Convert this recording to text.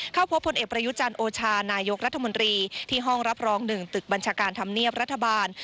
เข้าพบพลเอกประยุจันทร์โอชานายกรัฐมนตรีที่ห้องรับรอง๑ตึกบัญชาการธรรมเนียบรัฐบาล